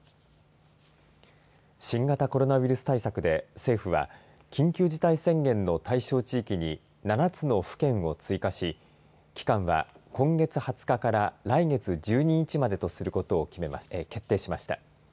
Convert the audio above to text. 新型コロナウイルス対策で政府は緊急事態宣言の対象地域に７つの府県を追加し期間は今月２０日から来月１２日までとすることを決定しました。